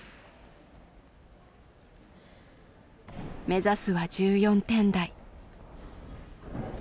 目指すは１４点台。